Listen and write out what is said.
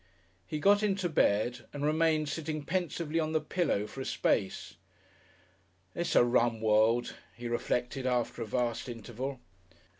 He got into bed and remained sitting pensively on the pillow for a space. "It's a rum world," he reflected after a vast interval.